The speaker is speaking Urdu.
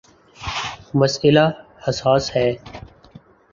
مسئلہ حساس ہے۔